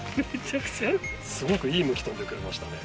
すごくいい向き飛んでくれましたね。